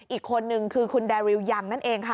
อีกคนนึงคือคุณแดริวยังนั่นเองค่ะ